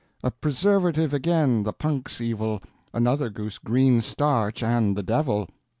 A preservative again' the punk's evil. Another goose green starch, and the devil.